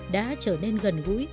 đã trở nên gần gũi